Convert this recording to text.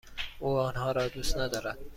او آنها را دوست ندارد.